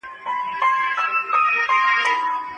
پخواني خلک هم د مطالعې له لارې پوهه ترلاسه کړې.